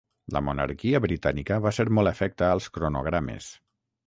La monarquia britànica va ser molt afecta als cronogrames.